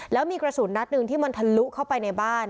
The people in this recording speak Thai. แล้วมีกระสุนนัดหนึ่งที่มันทะลุเข้าไปในบ้าน